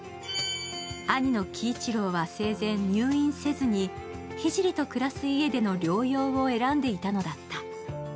兄の騎一郎は生前、入院せずに、聖と暮らす家での療養を選んでいたのだった。